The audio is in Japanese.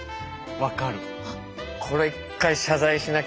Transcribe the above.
分かる。